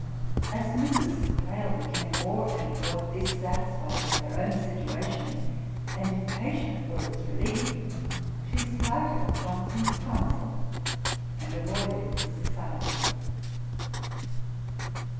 As Mrs. Thrale became more and more dissatisfied with her own situation, and impatient for its relief, she slighted Johnson's counsel, and avoided his society.'